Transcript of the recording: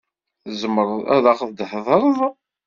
Tzemreḍ ad aɣ-d-theḍṛeḍ.